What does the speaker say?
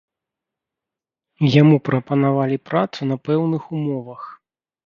Яму прапанавалі працу на пэўных умовах.